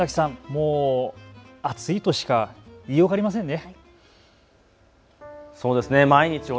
もう暑いとしか言いようがありませんね。